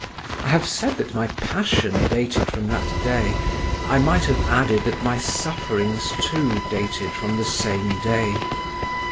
I have said that my passion dated from that day; I might have added that my sufferings too dated from the same day.